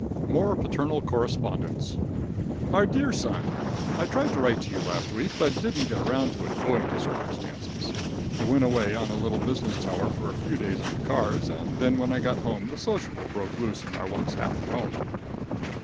More Paternal Correspondence. My dear son. I tried to write to you last week, but didn't get around to it, owing to circumstances. I went away on a little business tower for a few days on the cars, and then when I got home the sociable broke loose in our once happy home.